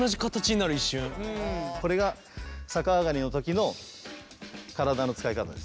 これが逆上がりの時の体の使い方です。